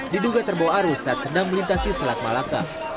diduga terbawa arus saat sedang melintasi selat malaka